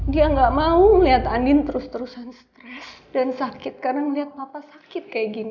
dia gak mau ngeliat andin terus terusan stres dan sakit karena ngeliat papa sakit kayak gini